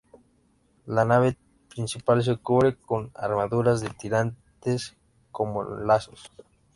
La nave principal se cubre con armadura de tirantes con lazos.